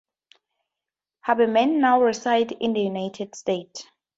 Habermann now resides in the United States.